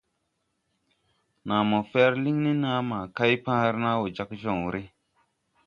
Naa mo fɛr liŋ ni naa ma kay paare naa wo jāg joŋre.